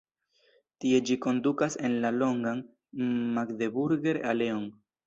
Tie ĝi kondukas en la longan "Magdeburger-aleon".